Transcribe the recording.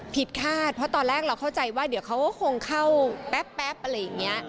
คาดเพราะตอนแรกเราเข้าใจว่าเดี๋ยวเขาก็คงเข้าแป๊บอะไรอย่างนี้